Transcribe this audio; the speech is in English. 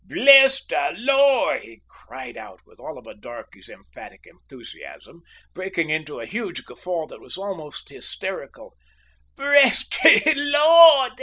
"Bress de Lor'!" he cried out, with all a darkey's emphatic enthusiasm, breaking into a huge guffaw that was almost hysterical "bress de Lor'!